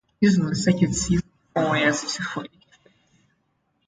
Usually circuits used four wires, two for each phase.